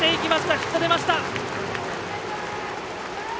ヒット出ました。